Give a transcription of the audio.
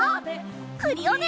クリオネ！